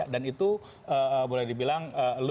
dan itu boleh dibilang